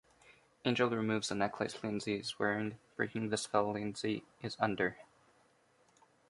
Angel removes a necklace Lindsey is wearing, breaking the spell Lindsey is under.